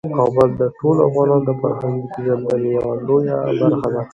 کابل د ټولو افغانانو د فرهنګي پیژندنې یوه لویه برخه ده.